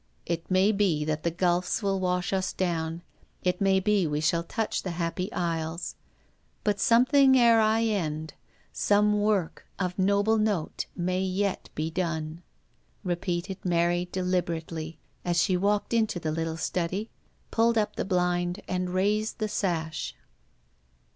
It may be that the gulfs will wash us down : It may be that we shall touch the Happy Isles ;.... but something ere I end — Some work of noble note may yet be done," repeated Mary deliberately, as she walked into the little study, pulled up the blind, and raised the sash.